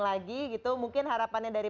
lagi gitu mungkin harapannya dari